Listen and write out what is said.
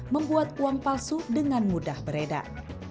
membuat uang palsu dengan mudah beredar